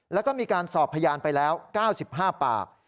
แล้วก็มีการสอบพยานไปแล้ว๙๕ปาก